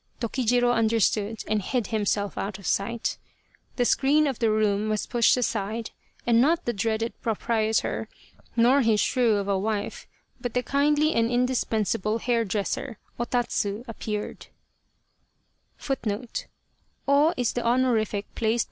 Tokijiro under stood and hid himself out of sight. The screen of the room was pushed aside and not the dreaded pro prietor nor his shrew of a wife, but the kindly and indispensable hair dresser, O * Tatsu, appeared.